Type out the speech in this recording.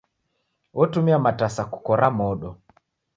Otumia matasa kukora modo.